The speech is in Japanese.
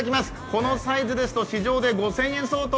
このサイズですと市場で５０００円相当。